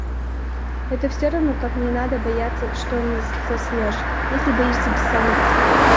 Это всё равно, как не надо бояться, что не заснешь, если боишься бессонницы.